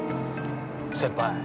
先輩。